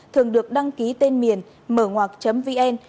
thường được đăng ký tên miền mởngoạc vn